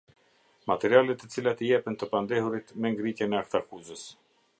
Materialet të cilat i jepen të pandehurit me ngritjen e aktakuzës.